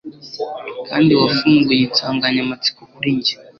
Kandi wafunguye insanganyamatsiko kuri njye